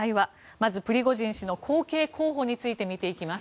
まず、プリゴジン氏の後継候補について見ていきます。